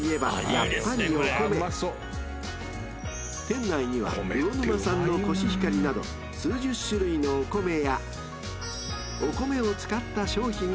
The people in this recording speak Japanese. ［店内には魚沼産のコシヒカリなど数十種類のお米やお米を使った商品が充実］